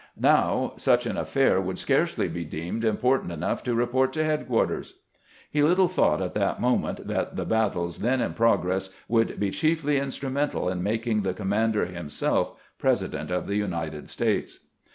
Now, such an affair would scarcely be deemed important enough to report to headquarters." He little thought at that moment that the battles then in progress would be chiefly instriunental in making the commander him self President of the United States.